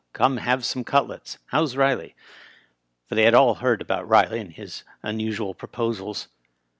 Come and have some cutlets. How's Riley ?" For they had all heard about Riley and his xmusual proposals.